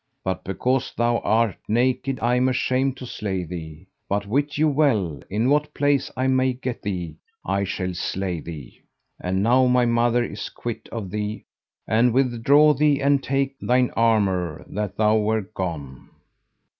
But because thou art naked I am ashamed to slay thee. But wit thou well, in what place I may get thee I shall slay thee; and now my mother is quit of thee; and withdraw thee and take thine armour, that thou were gone.